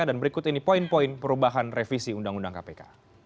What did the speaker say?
dan berikut ini poin poin perubahan revisi undang undang kpk